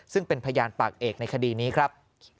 ซึ่งเป็นพยานปากเอกในคดีนี้ครับ